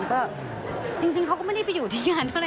ก็งงเหมือนกันนะ